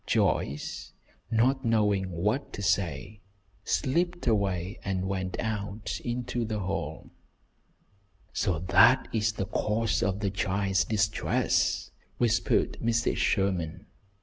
Joyce, not knowing what to say, slipped away and went out into the hall. "So that is the cause of the child's distress," whispered Mrs. Sherman.